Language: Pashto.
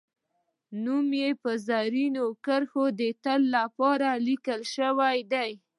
نوم یې په زرینو کرښو د تل لپاره لیکل شوی دی